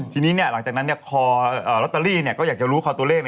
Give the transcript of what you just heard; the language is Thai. ทีนี้หลังจากนั้นคอลอตเตอรี่ก็อยากจะรู้คอตัวเลข